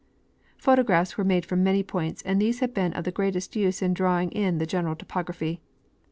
Photographs were made from many points, and these have been of the greatest use in drawing in the general topography.